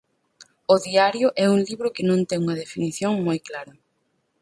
O Diario é un libro que non ten unha definición moi clara.